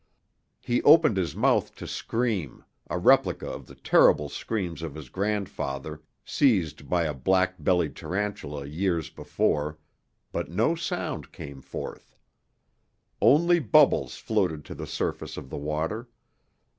He opened his mouth to scream a replica of the terrible screams of his grandfather, seized by a black bellied tarantula years before but no sound came forth. Only bubbles floated to the surface of the water.